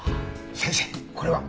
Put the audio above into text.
先生これは？